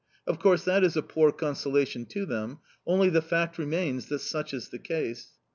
Of course, that is a poor consolation to them only the fact remains that such is the case.